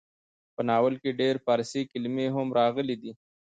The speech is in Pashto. په ناول کې ډېر فارسي کلمې هم راغلې ډي.